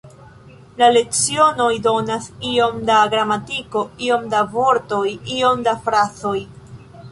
La lecionoj donas iom da gramatiko, iom da vortoj, iom da frazoj.